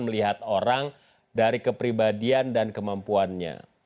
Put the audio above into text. melihat orang dari kepribadian dan kemampuannya